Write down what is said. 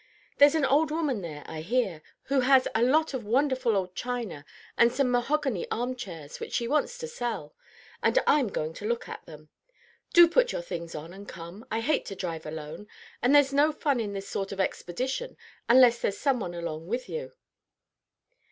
There's an old woman there, I hear, who has a lot of wonderful old china and some mahogany arm chairs which she wants to sell, and I'm going to look at them. Do put your things on, and come. I hate to drive alone; and there's no fun in this sort of expedition unless there's some one along with you."